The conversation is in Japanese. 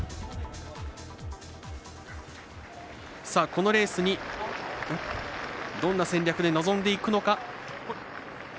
このレースにどんな戦略で臨んでいくのか。